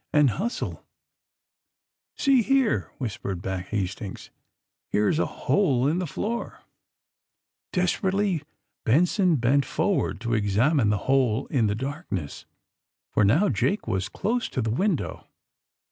'* And — ^hustle !'* AND THE SMUGGLERS 81 '^See here!" whispered back Hastings. *' Here's a hole in the floor.'' Desperately Benson bent forward to examine the hole in the darkness, for now Jake was close to the window.